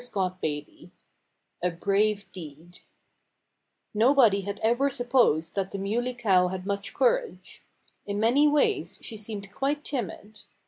(Page 100)] XXI A BRAVE DEED Nobody had ever supposed that the Muley Cow had much courage. In many ways she seemed quite timid.